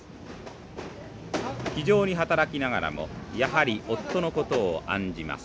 気丈に働きながらもやはり夫のことを案じます。